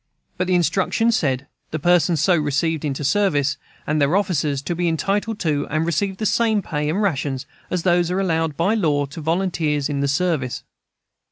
But the instructions said: "The persons so received into service, and their officers, to be entitled to and receive the same pay and rations as are allowed by law to volunteers in the service."